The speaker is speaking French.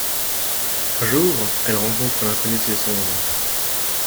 Un jour, elle rencontre l'inconnu de ses songes.